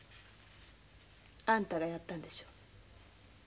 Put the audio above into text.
あんたがやったんでしょう？